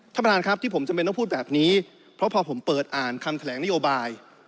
ท่านประธานครับที่ผมจำเป็นต้องพูดแบบนี้เพราะพอผมเปิดอ่านคำแถลงนโยบาย